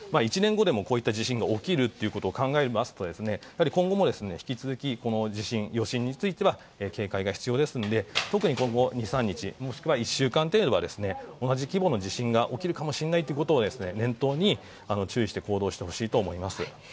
１年後でも、こういった地震が起きることを考えると今後も引き続きこの地震、余震について警戒が必要ですので特に今後２３日もしくは１週間程度同じ規模の地震が起きるかもしれないということを念頭に注意して行動してほしいと思います。